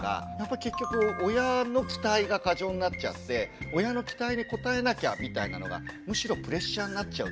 結局親の期待が過剰になっちゃって親の期待に応えなきゃみたいなのがむしろプレッシャーになっちゃうっていうか。